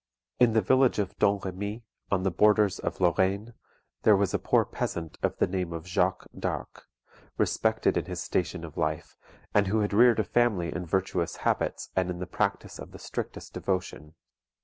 In the village of Domremy, on the borders of Lorraine, there was a poor peasant of the name of Jacques d'Arc, respected in his station of life, and who had reared a family in virtuous habits and in the practice of the strictest devotion.